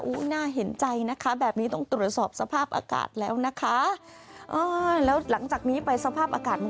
น่าเห็นใจนะคะแบบนี้ต้องตรวจสอบสภาพอากาศแล้วนะคะ